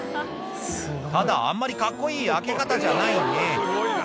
ただあんまりカッコいい焼け方じゃないね